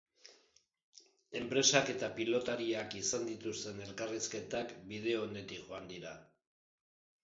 Enpresak eta pilotariak izan dituzten elkarrizketak bide onetik joan dira.